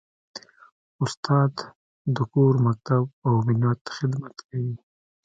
استاد د کور، مکتب او ملت خدمت کوي.